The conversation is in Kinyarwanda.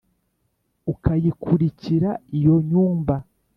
Ukayikurikira iyo nyumba